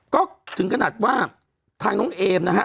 ก็ถึงขนาดว่าทางน้องเอมนะฮะ